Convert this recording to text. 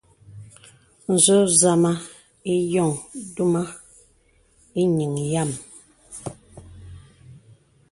Zō zàmā ìyōŋ duma īŋìŋ yàm.